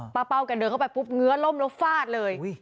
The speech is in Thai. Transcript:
เป้าแกเดินเข้าไปปุ๊บเงื้อล่มแล้วฟาดเลย